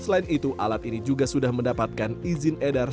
selain itu alat ini juga sudah mendapatkan izin edar